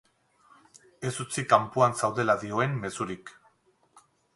Ez utzi kanpoan zaudela dioen mezurik.